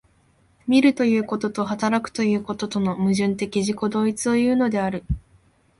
見るということと働くということとの矛盾的自己同一をいうのである。